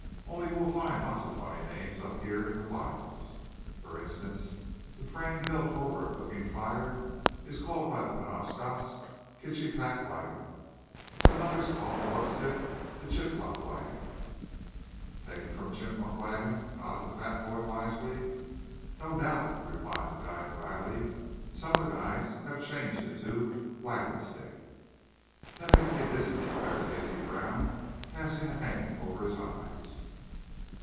Oh, you will find lots of funny names up here in the wilds. For instance, the frame built over a cooking fire is called by the Penobscots, 'kitchi plak wagn.' Some others call the 'lug stick' a 'chiplok waugan.'" "Taken from 'chipmunk wagon,'" nodded the fat boy wisely. "No doubt," replied the guide dryly. "Some of the guides have changed it to 'waugan stick.'" "You make me dizzy," declared Stacy Brown, passing a hand over his eyes.